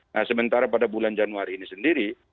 nah sementara pada bulan januari ini sendiri